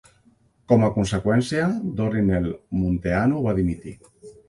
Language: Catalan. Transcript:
Com a conseqüència, Dorinel Munteanu va dimitir.